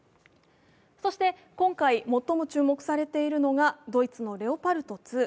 そして今回最も注目されているのがドイツのレオパルト２。